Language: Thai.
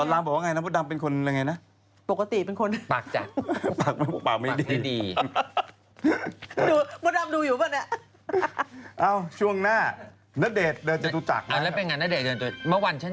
หมดดำก็ชอบตอนนี้ชอบเอาอะไรรู้ตีท้องปั้ง